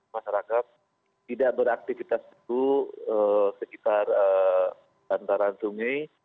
masyarakat tidak beraktifitas begitu sekitar bantaran sungai